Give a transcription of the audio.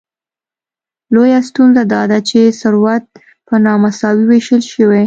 لویه ستونزه داده چې ثروت په نامساوي ویشل شوی.